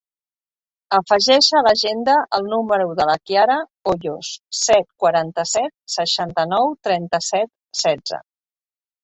Afegeix a l'agenda el número de la Kiara Hoyos: set, quaranta-set, seixanta-nou, trenta-set, setze.